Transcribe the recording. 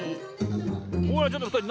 おいちょっとふたり